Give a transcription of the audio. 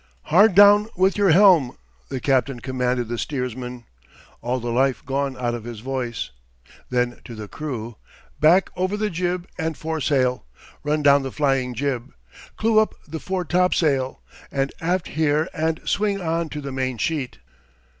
"Hard down with your helm!" the captain commanded the steersman, all the life gone out of his voice. Then to the crew, "Back over the jib and foresail! Run down the flying jib! Clew up the foretopsail! And aft here and swing on to the main sheet!"